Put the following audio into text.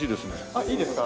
あっいいですか？